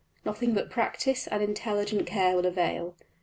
Nothing but practice and intelligent care will avail.